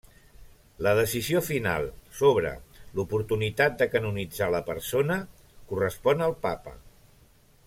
La decisió final sobre l'oportunitat de canonitzar la persona correspon al papa.